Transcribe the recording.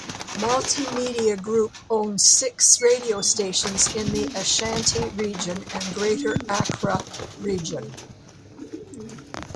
Multimedia Group owns six radio stations in the Ashanti Region and Greater Accra Region.